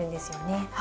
はい。